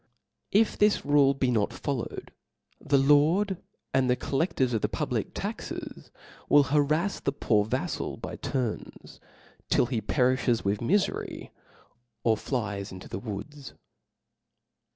If this rule be not followed, the lord and the colleftors of the public taxes will harraft the poor vaflal by turns, till he perilhes with mi fcry, or flies into the woods.